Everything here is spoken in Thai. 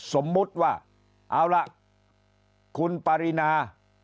สมมุติว่าเอาล่ะคุณปรินา